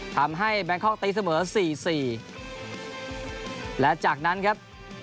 แบงคอกตีเสมอสี่สี่และจากนั้นครับ